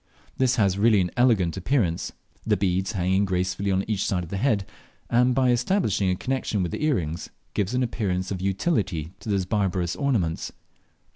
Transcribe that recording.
This has really an elegant appearance, the beads hanging gracefully on each side of the head, and by establishing a connexion with the earrings give an appearance of utility to those barbarous ornaments.